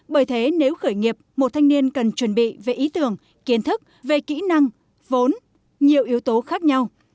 bởi thế nếu khởi nghiệp một thanh niên cần chuẩn bị về ý tưởng kiến thức về kỹ năng vốn nhiều yếu tố khác nhau